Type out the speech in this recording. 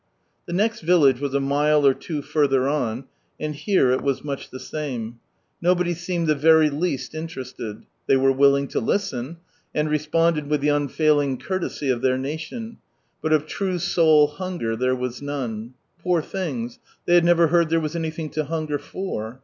The next village was a mile or two further on, and here it was much the same. ^ tiS From Sunrise Land Nobody seemed the very least interested. Tliey were willing to listen, and re sponded with the unfailing courtesy of their nation, but of true soul hunger there was none. Poor things, they had never heard there was anything to hunger for.